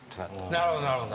なるほどなるほど。